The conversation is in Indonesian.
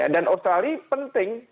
dan australia penting